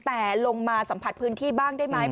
แต่ลงมาสัมผัสพื้นที่บ้างได้ไหม